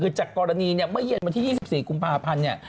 คือจากกรณีเมื่อเย็นมาที่๒๔กุมภาพันธุ์